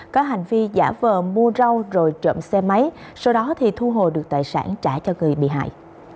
có hành vi giả vờ mua rau rồi trộm xe máy sau đó thì thu hồi được tài sản trả cho người bị hại